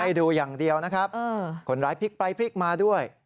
ให้ดูอย่างเดียวนะครับคนร้ายพลิกไปพลิกมาด้วย